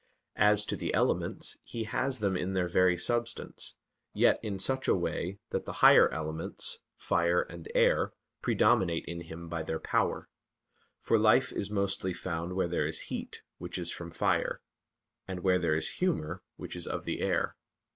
As to the elements, he has them in their very substance, yet in such a way that the higher elements, fire and air, predominate in him by their power; for life is mostly found where there is heat, which is from fire; and where there is humor, which is of the air.